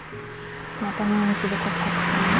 また年１で告白すんの？